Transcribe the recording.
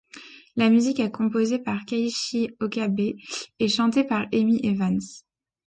La musique est composée par Keiichi Okabe et chantée par Emi Evans.